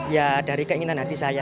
ya dari keinginan hati saya